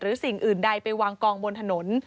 สิ่งอื่นใดไปวางกองบนถนน